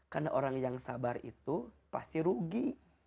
karena orang yang sabar itu pasti rugi